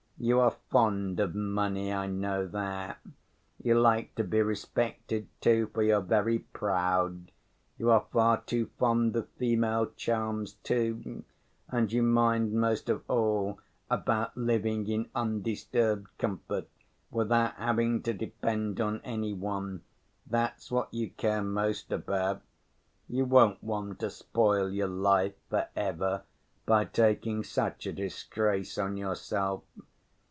You are fond of money, I know that. You like to be respected, too, for you're very proud; you are far too fond of female charms, too, and you mind most of all about living in undisturbed comfort, without having to depend on any one—that's what you care most about. You won't want to spoil your life for ever by taking such a disgrace on yourself.